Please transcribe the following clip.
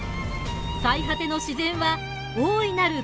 最果ての自然は大いなる教室。